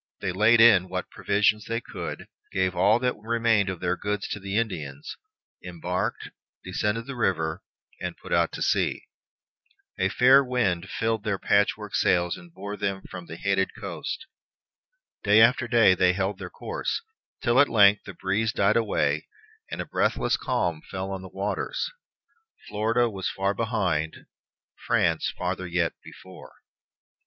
They laid in what provision they could, gave all that remained of their goods to the Indians, embarked, descended the river, and put to sea. A fair wind filled their patchwork sails and bore them from the hated coast. Day after day they held their course, till at length the breeze died away and a breathless calm fell on the waters. Florida was far behind; France farther yet before.